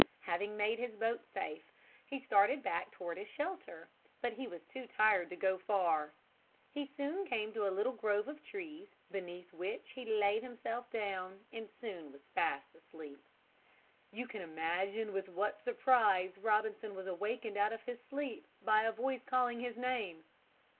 Having made his boat safe he started back toward his shelter. But he was too tired to go far. He soon came to a little grove of trees beneath which he laid himself down and soon was fast asleep. You can imagine with what surprise Robinson was awakened out of his sleep by a voice calling his name.